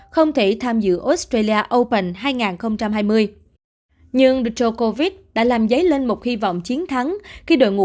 không thể tham dự australia open hai nghìn hai mươi nhưng drogovic đã làm dấy lên một hy vọng chiến thắng